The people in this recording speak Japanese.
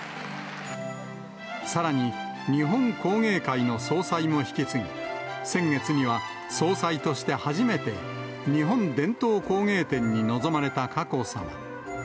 さらに、日本工芸会の総裁も引き継ぎ、先月には総裁として初めて、日本伝統工芸展に臨まれた佳子さま。